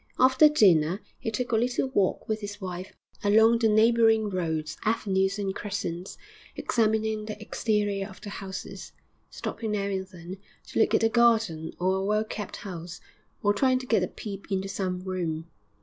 After dinner he took a little walk with his wife along the neighbouring roads, avenues and crescents, examining the exterior of the houses, stopping now and then to look at a garden or a well kept house, or trying to get a peep into some room.